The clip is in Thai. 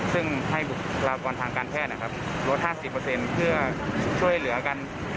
ซึ่งให้บุคลากรทางการแพทย์ลด๕๐เพื่อช่วยเหลือกัน